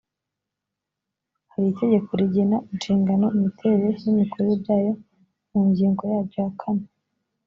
hari itegeko rigena inshingano imiterere n imikorere byayo mu ngingo yaryo ya kane